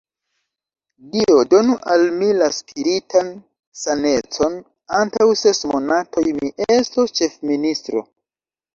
Dio donu al mi la spiritan sanecon: antaŭ ses monatoj, mi estos ĉefministro.